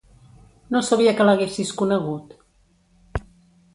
No sabia que l'haguessis conegut.